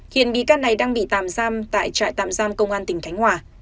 hiện bị can này đang bị tạm giam tại trại tạm giam công an tỉnh khánh hòa